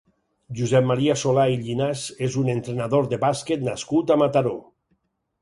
Josep Maria Solà i Llinàs és un entrenador de bàsquet nascut a Mataró.